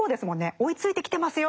追いついてきてますよっていう。